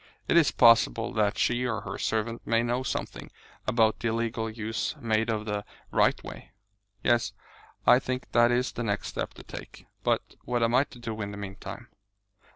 It is possible that she or her servant may know something about the illegal use made of the right of way." "Yes, I think that is the next step to take. But what am I to do in the meantime?"